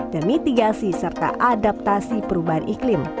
dan mitigasi serta adaptasi perubahan iklim